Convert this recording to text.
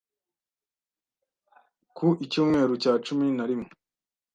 ku Icyumweru cya cumi na rimwe